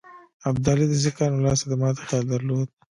ابدالي د سیکهانو له لاسه د ماتي خیال درلود.